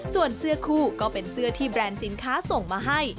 ส่วนเสื้อคู่ก็เป็นเสื้อที่แบรนด์สินค้าส่งมาให้